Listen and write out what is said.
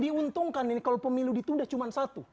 diuntungkan nih kalo pemilu ditunda cuma satu